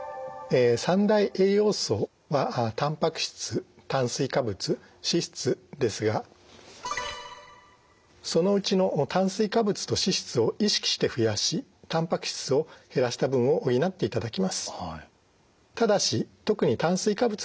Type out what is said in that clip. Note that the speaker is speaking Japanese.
え３大栄養素はたんぱく質炭水化物脂質ですがそのうちの炭水化物と脂質を意識して増やしたんぱく質を減らした分を補っていただきます。